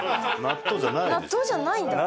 納豆じゃないんだ。